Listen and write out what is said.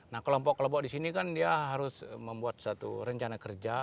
nah kelompok kelompok di sini kan dia harus membuat satu rencana kerja